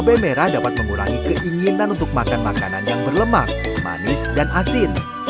makanan pedas juga dapat mengurangi keinginan untuk makan makanan yang berlemak manis dan asin